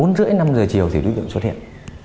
bốn h ba mươi năm h chiều thì đối tượng xuất hiện